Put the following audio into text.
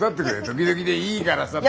時々でいいからさ。